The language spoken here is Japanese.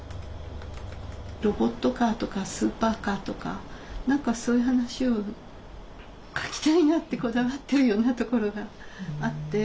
ロボットカーとかスーパーカーとか何かそういう話を書きたいなってこだわってるようなところがあって。